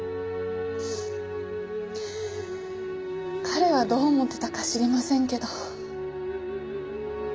彼はどう思ってたか知りませんけど。